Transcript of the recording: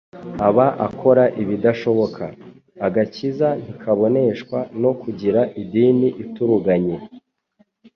aba akora ibidashoboka. Agakiza ntikaboneshwa no kugira idini ituruganye,